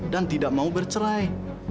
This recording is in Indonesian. dan tidak mau bercerai